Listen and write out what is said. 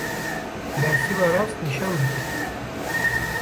Bersiva rast nîşan bike.